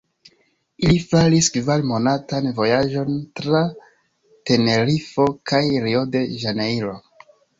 Ili faris kvar-monatan vojaĝon tra Tenerifo kaj Rio-de-Ĵanejro.